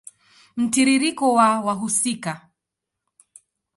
Mtiririko wa wahusika